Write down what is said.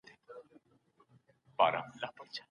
که انسان د ديت عوض وټاکل سي دا حرام عمل دی.